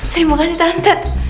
terima kasih tante